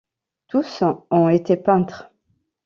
Tous ont été peintres.